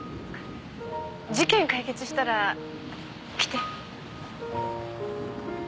事件解決したら来て。